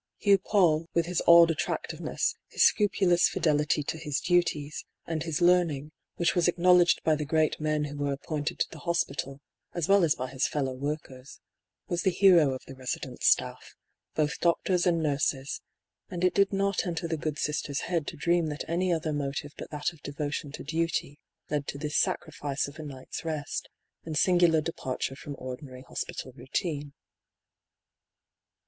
Hugh PauU, with his odd attractiveness, his scrupu lous fidelity to his duties, and his learning, which was acknowledged by the great men who were appointed to the hospital, as well as by his fellow workers, was the hero of the resident staff, both doctors and nurses ; and it did not enter the good Sister's head to dream that any other motive but that of devotion to duty led to this sacrifice of a night's rest, and singular departure from ordinary hospital routine.